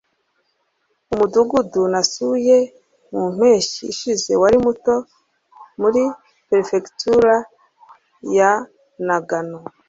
umudugudu nasuye mu mpeshyi ishize wari muto muri perefegitura ya nagano